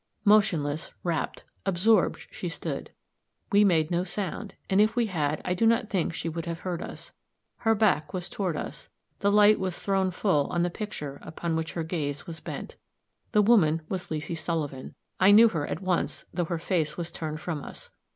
Motionless, rapt, absorbed she stood; we made no sound, and if we had, I do not think she would have heard us; her back was toward us; the light was thrown full on the picture upon which her gaze was bent. The woman was Leesy Sullivan. I knew her at once, though her face was turned from us.